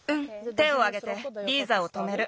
手をあげてリーザをとめる。